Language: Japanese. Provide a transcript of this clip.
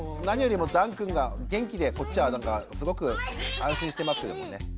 何よりもダンくんが元気でこっちはなんかすごく安心してますけどもね。